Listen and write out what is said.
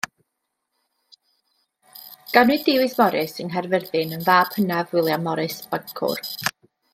Ganwyd David Morris yng Nghaerfyrddin yn fab hynaf William Morris, bancwr.